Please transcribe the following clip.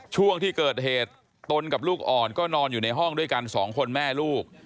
ช่วงที่เกิดเหตุตนกับลูกอ่อนก็นอนอยู่ในห้องด้วยกันสองคนแม่ลูก